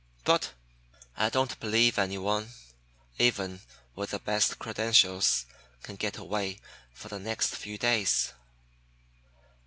But I don't believe anyone, even with the best credentials, can get away for the next few days."